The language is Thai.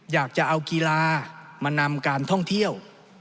อยากจะเอากีฬามานำการท่องเที่ยว